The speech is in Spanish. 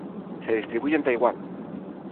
Se distribuye en Taiwán.